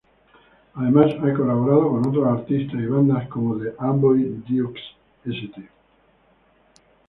Además ha colaborado con otros artistas y bandas como The Amboy Dukes, St.